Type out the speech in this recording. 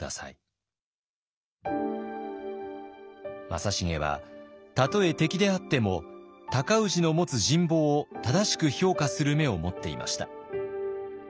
正成はたとえ敵であっても尊氏の持つ人望を正しく評価する目を持っていました。